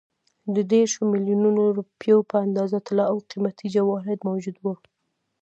د دېرشو میلیونو روپیو په اندازه طلا او قیمتي جواهرات موجود وو.